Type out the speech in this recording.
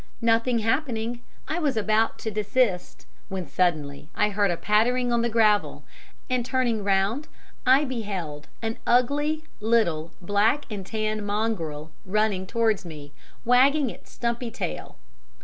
"Nothing happening, I was about to desist, when suddenly I heard a pattering on the gravel, and turning round I beheld an ugly little black and tan mongrel running towards me, wagging its stumpy tail.